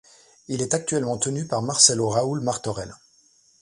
Il est actuellement tenu par Marcelo Raúl Martorell.